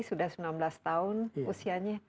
sudah sembilan belas tahun usianya